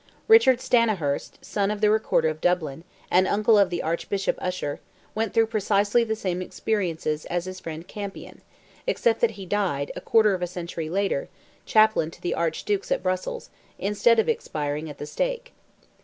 Richard Stanihurst, son of the Recorder of Dublin, and uncle of Archbishop Usher, went through precisely the same experiences as his friend Campian, except that he died, a quarter of a century later, Chaplain to the Archdukes at Brussels, instead of expiring at the stake.